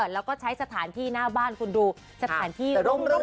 แล้วก็ใช้สถานที่หน้าบ้านคุณดูสถานที่ร่ม